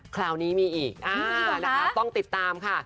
คราวนี้มีอีกนะคะต้องติดตามค่ะ